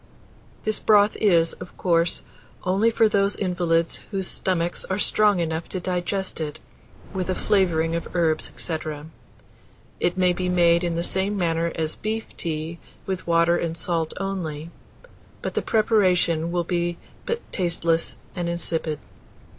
This broth is, of course, only for those invalids whose stomachs are strong enough to digest it, with a flavouring of herbs, &c. It may be made in the same manner as beef tea, with water and salt only; but the preparation will be but tasteless and insipid.